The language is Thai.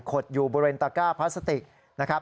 ดอยู่บริเวณตะก้าพลาสติกนะครับ